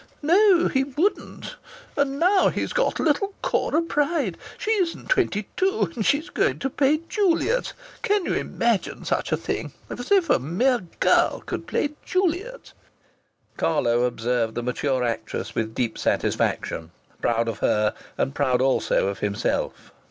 No, he wouldn't! And now he's got little Cora Pryde! She isn't twenty two, and she's going to play Juliet! Can you imagine such a thing! As if a mere girl could play Juliet!" Carlo observed the mature actress with deep satisfaction, proud of her, and proud also of himself.